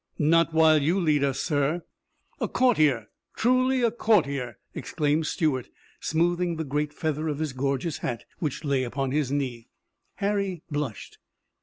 "Not while you lead us, sir." "A courtier! truly a courtier!" exclaimed Stuart, smoothing the great feather of his gorgeous hat, which lay upon his knee. Harry blushed.